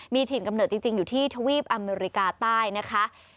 มีถิ่นกำเนิดจริงอยู่ที่ทวีปอเมริกาใต้นะคะ